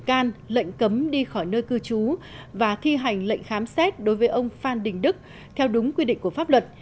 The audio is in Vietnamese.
cơ quan cảnh sát điều tra bộ công an đã thực hiện tống đạt quyết định khởi tố bị can lệnh cấm đi khỏi nơi cư trú và thi hành lệnh khám xét đối với ông phan đình đức theo đúng quy định của pháp luật